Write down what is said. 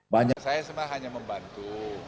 saya semua hanya membantu